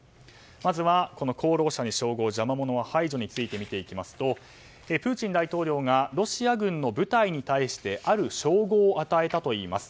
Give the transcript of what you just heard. まずは功労者に称号邪魔者は排除について見ていきますとプーチン大統領がロシア軍の部隊に対してある称号を与えたといいます。